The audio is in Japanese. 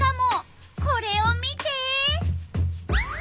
これを見て！